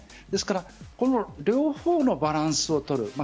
ですからこの両方のバランスを取る。